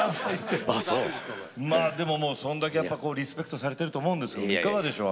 まあでもそんだけリスペクトされてると思うんですけどいかがでしょう？